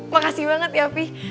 makasih banget ya pi